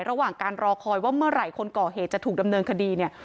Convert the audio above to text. ระหว่างการรอคอยว่าเมื่อไหร่คนก่อเหตุจะถูกดำเนินคดีเนี่ย